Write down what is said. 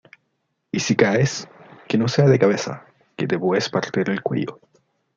y si caes, que no sea de cabeza, que te puedes partir el cuello.